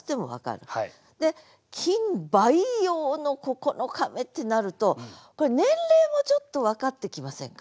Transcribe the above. で「菌培養の９日目」ってなるとこれ年齢もちょっと分かってきませんか。